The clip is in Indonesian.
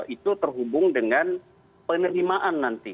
itu terhubung dengan penerimaan nanti